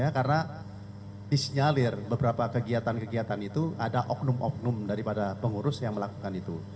karena disenyalir beberapa kegiatan kegiatan itu ada oknum oknum daripada pengurus yang melakukan itu